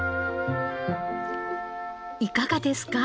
いかがですか？